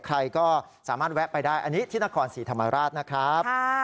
ใครก็สามารถแวะไปได้อันนี้ที่นครศรีธรรมราชนะครับ